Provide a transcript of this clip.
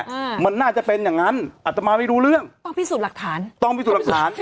อืมมันน่าจะเป็นอย่างงั้นอัตมาไม่รู้เรื่องต้องพิสูจน์หลักฐานต้องพิสูจน์หลักฐาน